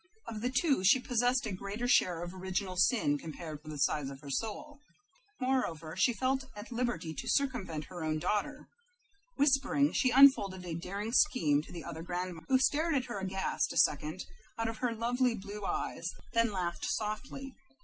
Of the two she possessed a greater share of original sin compared with the size of her soul. Moreover, she felt herself at liberty to circumvent her own daughter. Whispering, she unfolded a daring scheme to the other grandmother, who stared at her aghast a second out of her lovely blue eyes, then laughed softly.